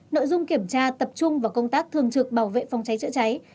nội dung kiểm tra tập trung vào công tác thường trực bảo vệ phòng cháy chữa cháy